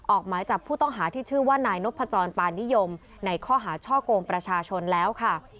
ออกหมายจับผู้ต้องหาที่ชื่อว่านายนพจรปานิยมในข้อหาช่อกงประชาชนแล้วค่ะ